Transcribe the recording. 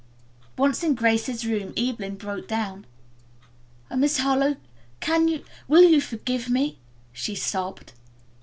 Once in Grace's room Evelyn broke down. "Oh, Miss Harlowe, can you, will you forgive me?" she sobbed.